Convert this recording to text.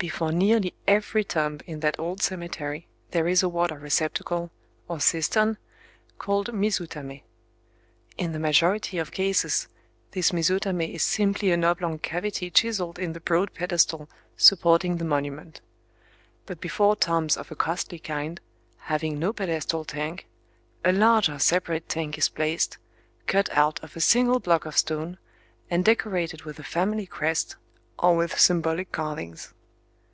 Before nearly every tomb in that old cemetery there is a water receptacle, or cistern, called mizutamé. In the majority of cases this mizutamé is simply an oblong cavity chiseled in the broad pedestal supporting the monument; but before tombs of a costly kind, having no pedestal tank, a larger separate tank is placed, cut out of a single block of stone, and decorated with a family crest, or with symbolic carvings.